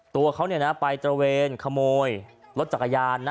ตัวเขาไปตระเวนขโมยรถจักรยานนะ